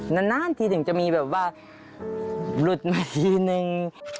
แต่ถ้านานทีถึงจะลุดมาทีหนึ่ง